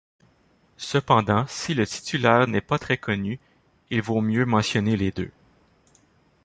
Cependant, si le titulaire n'est pas très connu, il vaut mieux mentionner les deux.